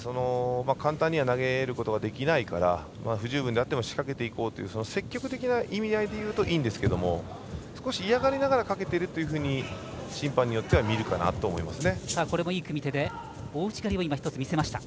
簡単には投げることができないから不十分であっても仕掛けていこうという積極的な意味合いでいくといいんですけど少し嫌がりながらかけているというふうに審判によっては見るかなと思います。